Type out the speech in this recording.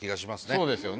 そうですよね。